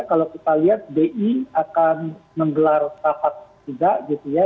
kalau kita lihat bi akan menggelar rapat juga gitu ya